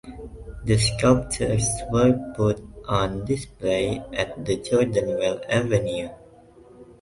The sculptures were put on display at the Jordan Well avenue.